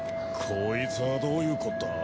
こいつはどういうこった？